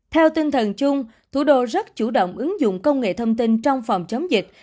theo tinh thần chung thủ đô rất chủ động ứng dụng công nghệ thông tin trong phòng chống dịch